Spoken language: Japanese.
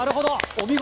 お見事。